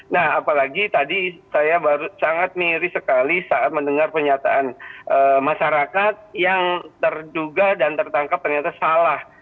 nah apalagi tadi saya sangat miris sekali saat mendengar penyataan masyarakat yang terduga dan tertangkap ternyata salah